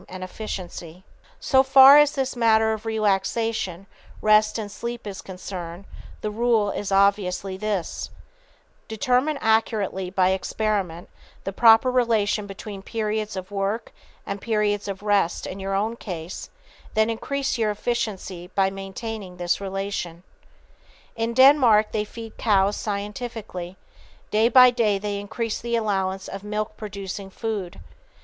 [Sidenote: Determining Your Norm of Efficiency] So far as this matter of relaxation, rest and sleep is concerned, the rule to follow is obviously this: _Determine accurately by experiment the proper relation between periods of work and periods of rest in your own case, then increase your efficiency by maintaining this relation_. In Denmark they feed cows scientifically. Day by day they increase the allowance of milk producing food.